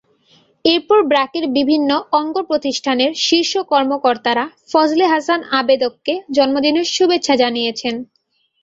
এরপর ব্র্যাকের বিভিন্ন অঙ্গপ্রতিষ্ঠানের শীর্ষ কর্মকর্তারা ফজলে হাসান আবেদকে জন্মদিনের শুভেচ্ছা জানিয়েছেন।